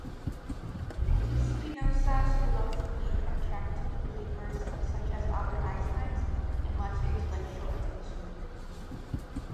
Spinoza's philosophy attracted believers such as Albert Einstein and much intellectual attention.